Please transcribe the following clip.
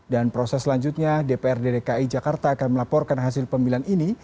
dan proses selanjutnya dprd dki jakarta akan melaporkan hasil pemilihan ini